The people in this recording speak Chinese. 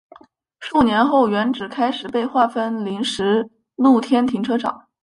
数年后原址开始被划为临时露天停车场。